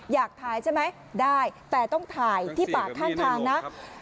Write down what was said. อยากถ่ายใช่ไหมได้แต่ต้องถ่ายที่ป่าข้างทางนะ